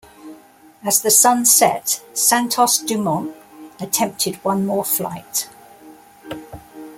As the sun set, Santos-Dumont attempted one more flight.